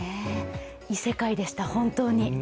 異世界でした、本当に。